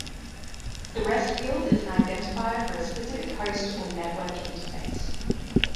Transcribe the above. The rest field is an identifier for a specific host or network interface.